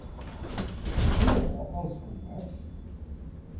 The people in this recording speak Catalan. Era bo als combats?